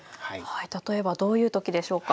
例えばどういうときでしょうか？